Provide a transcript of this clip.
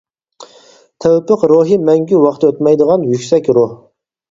تەۋپىق روھى-مەڭگۈ ۋاقتى ئۆتمەيدىغان يۈكسەك روھ!